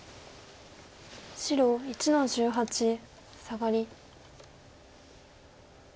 白１の十八サガリ。